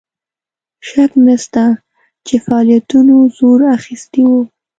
شک نسته چې فعالیتونو زور اخیستی وو.